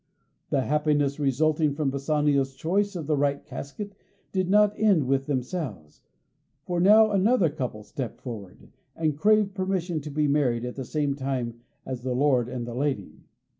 The happiness resulting from Bassanio's choice of the right casket did not end with themselves, for now another couple stepped forward, and craved permission to be married at the same time as the lord and the lady.